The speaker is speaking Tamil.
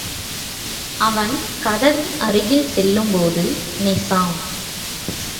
அவன் கதவின் அருகில் செல்லும்போது, நிசாம்.